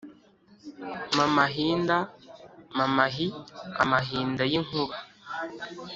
Mamahinda mamahi-Amahinda y'inkuba.